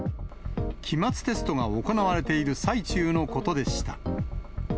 期末テストが行われている最中のことでした。